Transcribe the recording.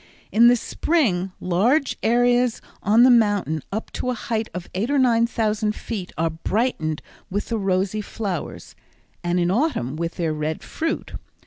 In the spring large areas on the mountain up to a height of eight or nine thousand feet are brightened with the rosy flowers, and in autumn with their red fruit.